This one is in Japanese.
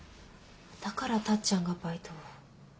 だからタッちゃんがバイトを。